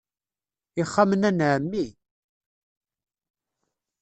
Ixxamen-a n ɛemmi.